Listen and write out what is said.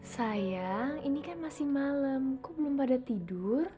sayang ini kan masih malam kok belum pada tidur